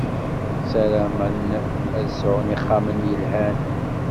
Saramen ad sɛun ixxamen yelhan.